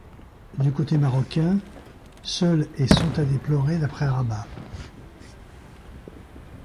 Du côté marocain, seuls et sont à déplorer d'après Rabat.